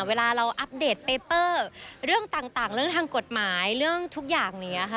เวลาเราอัปเดตเปเปอร์เรื่องต่างเรื่องทางกฎหมายเรื่องทุกอย่างอย่างนี้ค่ะ